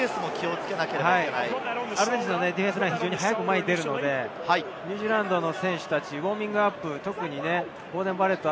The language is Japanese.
アルゼンチンのディフェンスライン、早く前に出るので、ニュージーランドの選手たち、ウオーミングアップ。